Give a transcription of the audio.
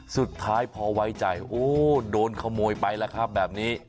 สุดท้ายพอไว้ใจโอ้โดนขโมยไปแล้วครับแบบนี้